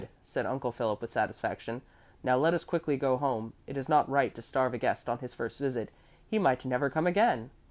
said Uncle Philip with satisfaction. "Now let us quickly go home. It is not right to starve a guest on his first visit; he might never come again."